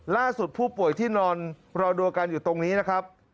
ล่าสุดผู้ป่วยที่นอนรอดูอาการอยู่ตรงนี้นะครับ